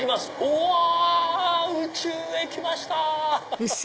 うわ宇宙へ来ました！